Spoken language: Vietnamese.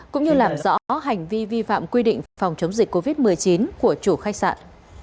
cũng như làm rõ hành vi vi phạm quy định phòng chống dịch covid một mươi chín của chủ khách sạn